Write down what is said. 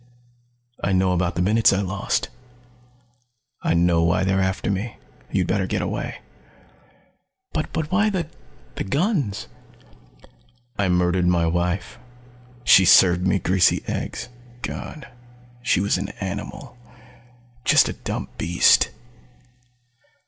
"I know about the minutes I lost. I know why they're after me. You'd better get away." "But why the the guns?" "I murdered my wife. She served me greasy eggs. God she was an animal just a dumb beast!"